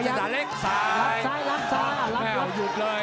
ขยับซ้ายรับซ้ายรับรับหยุดเลย